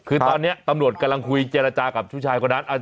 คือตอนนี้ตำรวจกำลังคุยเจรจากับผู้ชายคนนั้น